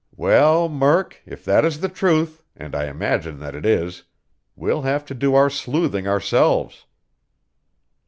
Well, Murk, if that is the truth, and I imagine that it is, we'll have to do our sleuthing ourselves."